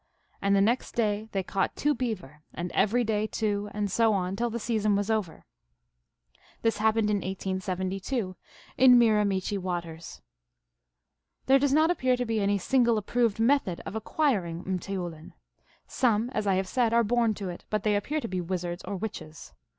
And the next day they caught two beaver, and every day two, and so on, till the season was over. " This happened in 1872, in Miramichi Waters." There does not appear to be any single approved method of acquiring m teoulin. Some, as I have said, are born to it, but they appear to be wizards or witches.